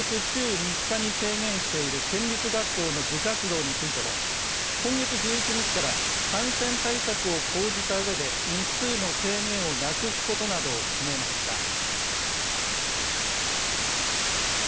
週３日に制限している県立学校の部活動についても今月１１日から感染対策を講じたうえで日数の制限をなくすことなどを決めました。